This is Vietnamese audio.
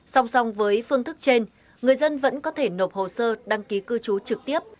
song song với phương thức trên người dân vẫn có thể nộp hồ sơ đăng ký cư trú trực tiếp